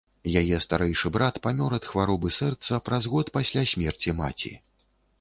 Яе старэйшы брат памёр ад хваробы сэрца праз год пасля смерці маці.